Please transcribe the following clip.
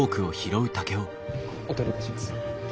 お取りいたします。